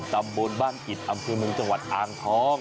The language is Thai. ตามนบลบ้านกิจอำคืนนึงจังหวัดอ่างทอง